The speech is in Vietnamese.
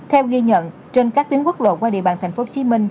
theo ghi nhận trên các tuyến quốc lộ qua địa bàn tp hcm